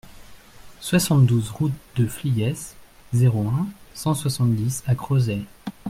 soixante-douze route de Flies, zéro un, cent soixante-dix à Crozet